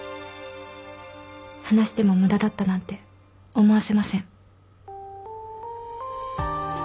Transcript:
話しても無駄だったなんて思わせません。